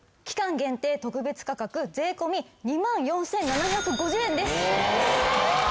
限定特別価格税込２万４７５０円です。えっ！？